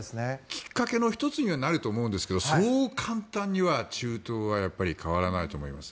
きっかけの１つにはなると思うんですけどそう簡単には中東はやっぱり変わらないと思います。